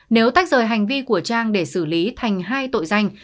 nếu tách rời hành vi của trang để xử lý thành hai tội danh